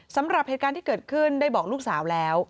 สำหรับเหตุการณ์ที่เกิดขึ้นได้บอกลูกสาวแล้ว